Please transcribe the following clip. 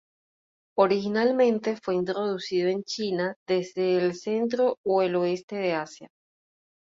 Originalmente fue introducido en China desde el centro o el oeste de Asia.